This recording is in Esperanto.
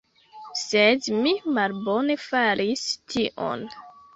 Sed mi malbone faris tion.